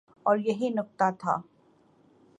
اوریہی نکتہ تھا۔